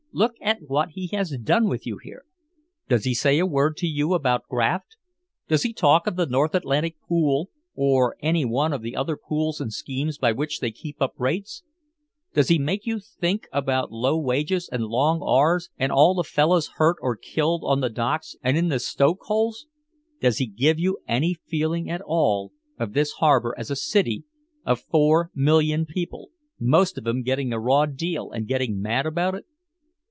Look at what he has done with you here. Does he say a word to you about Graft? Does he talk of the North Atlantic Pool or any one of the other pools and schemes by which they keep up rates? Does he make you think about low wages and long hours and all the fellows hurt or killed on the docks and in the stoke holes? Does he give you any feeling at all of this harbor as a city of four million people, most of 'em getting a raw deal and getting mad about it?